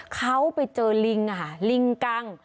เขาไปเจอลิงค่ะลิงกัง